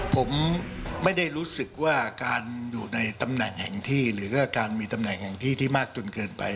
ผมไม่ได้รู้สึกว่าการอยู่ในตำแหน่งแห่งที่หรือว่าการมีตำแหน่งแห่งที่ที่มากจนเกินไป